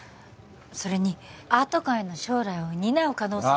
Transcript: それにアート界の将来を担う可能性を